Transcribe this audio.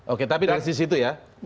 oke tapi dari sisi itu ya